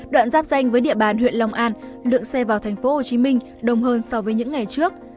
đoạn giáp danh với địa bàn huyện long an lượng xe vào thành phố hồ chí minh đông hơn so với những ngày trước